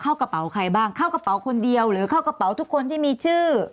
เข้ากระเป๋าใครบ้างเข้ากระเป๋าคนเดียวหรือเข้ากระเป๋าทุกคนที่มีชื่อ